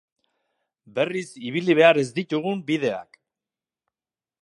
Berriz ibili behar ez ditugun bideak.